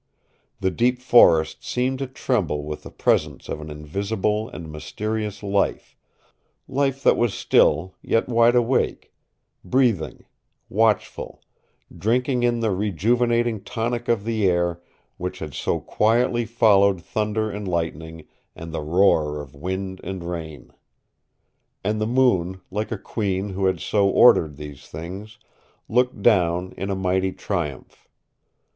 The deep forest seemed to tremble with the presence of an invisible and mysterious life life that was still, yet wide awake, breathing, watchful, drinking in the rejuvenating tonic of the air which had so quietly followed thunder and lightning and the roar of wind and rain. And the moon, like a queen who had so ordered these things, looked down in a mighty triumph.